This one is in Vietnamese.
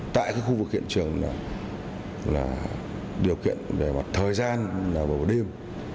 tại khu vực hiện trường là điều kiện về mặt thời gian là vào đêm